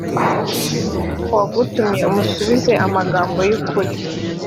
uwagutumye umusubize amagambo y ukuri